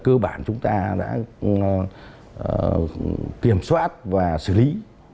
cơ bản chúng ta đã kiểm soát và xử lý